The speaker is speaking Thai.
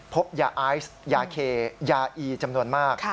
พบยาไอซ์ยาเคยาอีจำนวนมาก